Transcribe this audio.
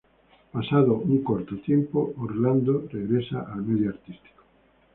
Pasado un corto tiempo Orlando regresa al medio artístico.